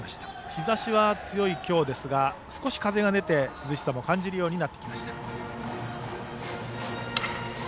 日ざしは強い今日ですが少し風が出て涼しさも感じるようになってきました。